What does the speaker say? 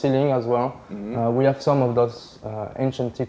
อย่างนี้ในน้ำข้างล่าง